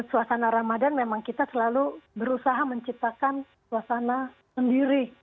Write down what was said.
suasana ramadan memang kita selalu berusaha menciptakan suasana sendiri